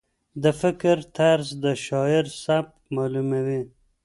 د فکر طرز د شاعر سبک معلوموي.